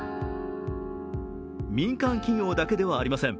民間企業だけではありません。